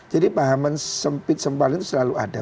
jadi pahaman sempit sempal itu selalu ada